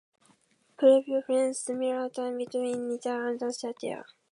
Prabhu finds similarities between Nithya and Sathya.